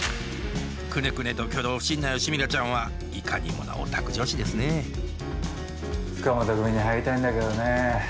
クネクネと挙動不審な吉ミラちゃんはいかにもなオタク女子ですね塚本組に入りたいんだけどねえ。